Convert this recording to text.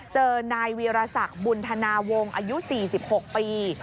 เจอนายวีรศักดิ์บุญธนาวงศ์อายุ๔๖ปี